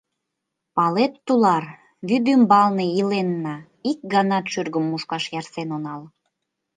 Палет, тулар, вӱдӱмбалне иленна, ик ганат шӱргым мушкаш ярсен онал.